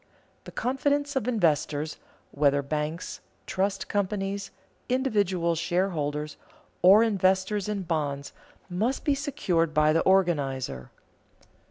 The confidence of investors, whether banks, trust companies, individual shareholders or investors in bonds, must be secured by the organizer.